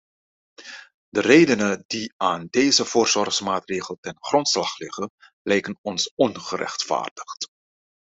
De redenen die aan deze voorzorgsmaatregel ten grondslag liggen, lijken ons ongerechtvaardigd.